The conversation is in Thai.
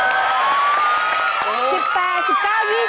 แพงกว่าแพงกว่า